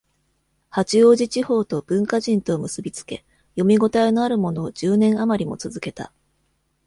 八王子地方と、文化人とを結びつけ、読みごたえのあるものを、十年余りも続けた。